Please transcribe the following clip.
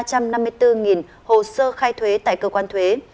các doanh nghiệp đã được khai thuế tại cơ quan thuế